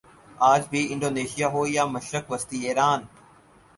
آج بھی انڈونیشیا ہو یا مشرق وسطی ایران